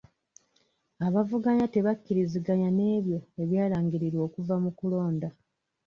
Abavuganya tebakkiriziganya n'ebyo ebyalangirirwa okuva mu kulonda.